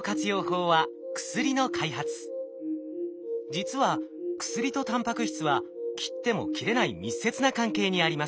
法は実は薬とタンパク質は切っても切れない密接な関係にあります。